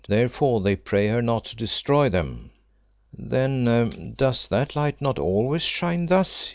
Therefore they pray her not to destroy them." "Then does that light not always shine thus?"